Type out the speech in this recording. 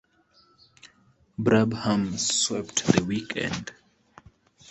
Brabham swept the weekend.